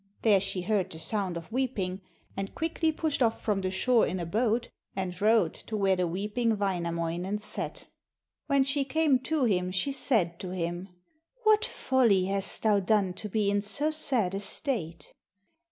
There she heard the sound of weeping, and quickly pushed off from the shore in a boat and rowed to where the weeping Wainamoinen sat. When she came to him she said to him: 'What folly hast thou done to be in so sad a state?'